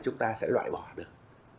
chúng ta sẽ loại bỏ được